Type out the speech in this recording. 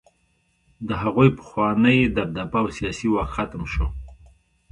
د هغوی پخوانۍ دبدبه او سیاسي واک ختم شو.